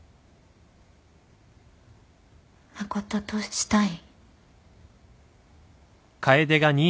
誠としたい。